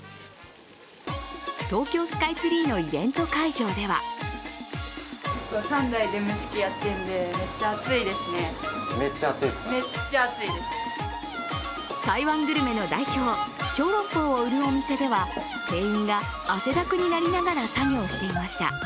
東京スカイツリーのイベント会場では台湾グルメの代表、ショーロンポーを売るお店では店員が汗だくになりながら作業をしていました。